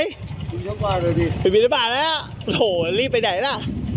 บินทบาทหน่อยสิไปบินทบาทแล้วโหรีบไปไหนล่ะ